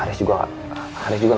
haris juga gak mau makan malam bareng